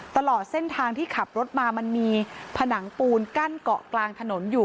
ตลอดเส้นทางที่ขับรถมามันมีผนังปูนกั้นเกาะกลางถนนอยู่